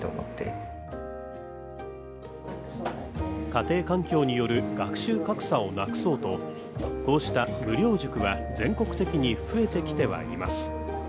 家庭環境による学習格差をなくそうとこうした無料塾は全国的に増えてきてはいます。